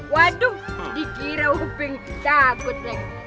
waduh dikira upin takut lagi